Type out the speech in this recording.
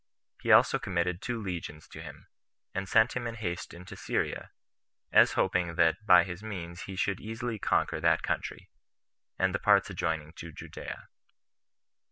He also committed two legions to him, and sent him in haste into Syria, as hoping that by his means he should easily conquer that country, and the parts adjoining to Judea.